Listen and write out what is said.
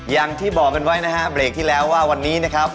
อย่างที่บอกกันไว้นะฮะเบรกที่แล้วว่าวันนี้นะครับ